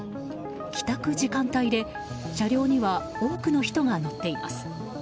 帰宅時間帯で車両には多くの人が乗っています。